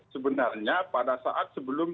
sebenarnya pada saat sebelum